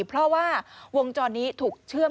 เพราะว่าวงจรนี้ถูกเชื่อม